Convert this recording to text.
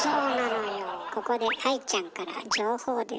ここで愛ちゃんから情報です。